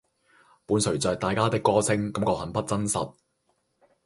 伴隨著大家的歌聲，感覺很不真實